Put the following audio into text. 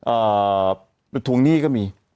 เอ่อถวงหนี้ก็มี